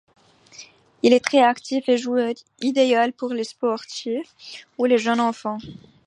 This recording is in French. Il est très actif et joueur, idéal pour les sportifs ou les jeunes enfants.